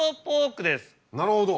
なるほど。